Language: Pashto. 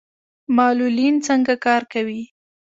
معلولین څنګه کار کوي؟